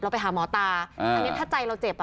เราไปหาหมอตาแต่งั้นถ้าใจเราเจ็บ